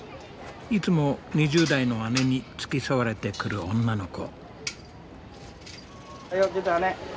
いつも２０代の姉に付き添われてくる女の子。